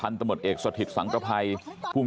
แล้วตามหายาดของแม่ลูกคู่นี้